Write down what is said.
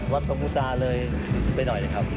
วัดพระมุสาเลยไปหน่อยเลยครับ